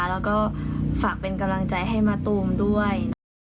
แล้วก็ฝากเป็นกำลังใจให้มะตูมด้วยนะคะ